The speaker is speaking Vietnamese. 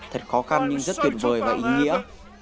thật khó khăn nhưng rất tuyệt vời và ý nghĩa